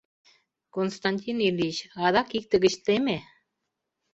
Константин Ильич, адак икте гыч теме.